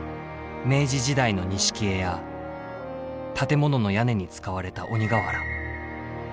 明治時代の錦絵や建物の屋根に使われた鬼瓦。